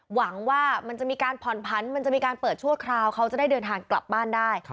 หวังว่ามันจะมีการผ่อนผันมันจะมีการเปิดชั่วคราวเขาจะได้เดินทางกลับบ้านได้